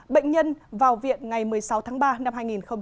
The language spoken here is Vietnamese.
bệnh nhân vào viện ngày một mươi sáu tháng ba năm hai nghìn hai mươi